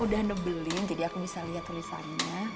udah nebelin jadi aku bisa lihat tulisannya